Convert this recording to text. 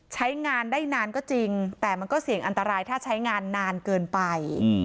ใช้งานได้นานก็จริงแต่มันก็เสี่ยงอันตรายถ้าใช้งานนานเกินไป